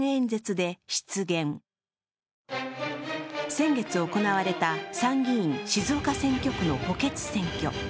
先月行われた参議院静岡選挙区の補欠選挙。